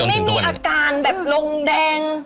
เดี๋ยวมันไม่มีอาการแบบลงแดง